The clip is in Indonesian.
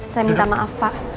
saya minta maaf pak